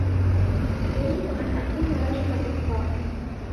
أريد أن أكون رجل إطفاء.